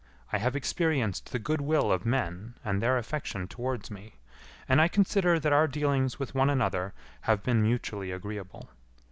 I have experienced the goodwill of men and their affection towards me, and I consider that our dealings with one another have been mutually agreeable.